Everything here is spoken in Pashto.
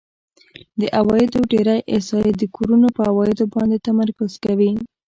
د عوایدو ډېری احصایې د کورونو په عوایدو باندې تمرکز کوي